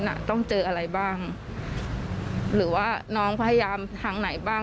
ความโหโชคดีมากที่วันนั้นไม่ถูกในไอซ์แล้วเธอเคยสัมผัสมาแล้วว่าค